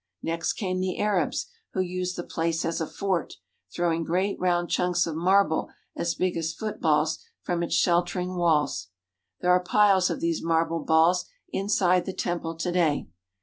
Next came the Arabs, who used the place as a fort, throwing great round chunks of marble as big as footballs from its sheltering walls. There are piles of these marble balls inside the temple to day.